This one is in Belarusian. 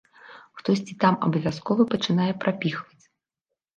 Хтосьці там абавязкова пачынае прапіхваць.